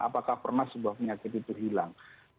apakah pernah sebuah penyakit itu hilang